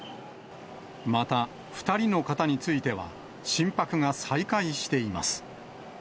また２人の方については、心拍が再開しています。